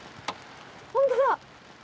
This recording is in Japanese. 本当だ。